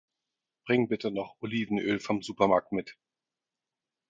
Bring bitte noch Ölivenöl vom Supermarkt mit